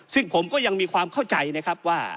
ซึ่งผมก็ยังมีความเข้าใจนะครับว่า